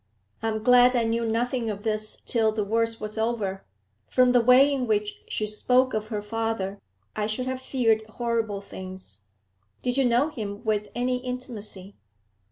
'I am glad I knew nothing of this till the worst was over. From the way in which she spoke of her father I should have feared horrible things. Did you know him with any intimacy?'